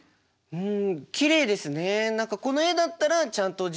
うん。